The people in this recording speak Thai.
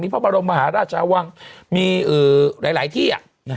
พระบรมมหาราชวังมีหลายที่